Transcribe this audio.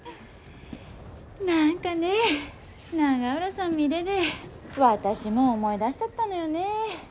何かね永浦さん見でで私も思い出しちゃったのよね。